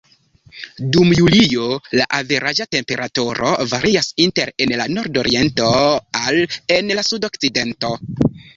Dum julio, la averaĝa temperaturo varias inter en la nordoriento al en la sudokcidento.